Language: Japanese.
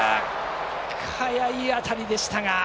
速い当たりでしたが。